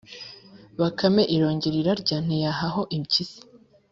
" Bakame irongera irarya ntiyahaho impyisi